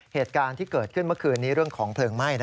เหตุการณ์ที่เกิดขึ้นเมื่อคืนนี้เรื่องของเพลิงไหม้